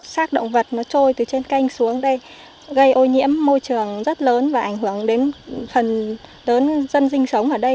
sác động vật nó trôi từ trên canh xuống đây gây ô nhiễm môi trường rất lớn và ảnh hưởng đến phần lớn dân sinh sống ở đây